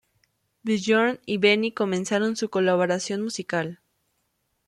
Björn y Benny comenzaron su colaboración musical.